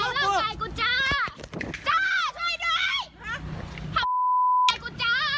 ทำไว้กูจ้า